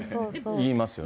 言いますよね。